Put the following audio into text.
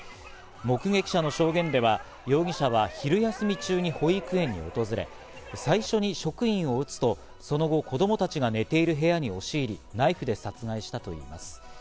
目撃者の証言では容疑者は昼休み中に保育園に訪れ、最初に職員を撃つとその後、子どもたちが寝ている部屋に押し入り、ナイフで殺害したといいます。